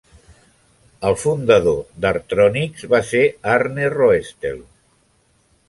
El fundador d'Artronix va ser Arne Roestel.